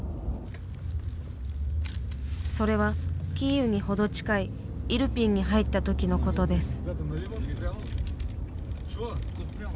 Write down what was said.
それはキーウに程近いイルピンに入った時のことです。